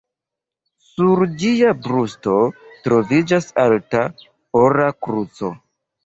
Sur ĝia brusto troviĝas alta, ora kruco.